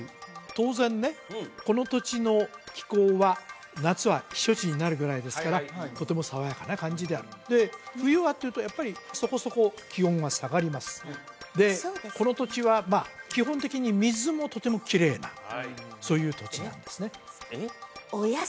当然ねこの土地の気候は夏は避暑地になるぐらいですからとても爽やかな感じであるで冬はというとやっぱりそこそこ気温は下がりますでこの土地は基本的にそういう土地なんですね